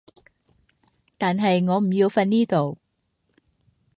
但係我唔要瞓呢度